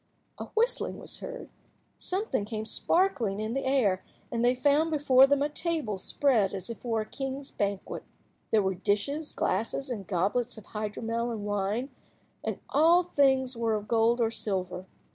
A whistling was heard, something came sparkling in the air, and they found before them a table spread as if for a king's banquet. There were dishes, glasses, and goblets of hydromel and wine, and all the things were of gold or silver.